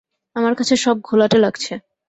আমার কাছে সব ঘোলাটে লাগছে।